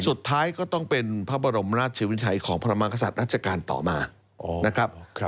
สุดท้ายก็ต้องเป็นพระบรมราชวิชัยของพระมากษัตริย์ราชการต่อมานะครับ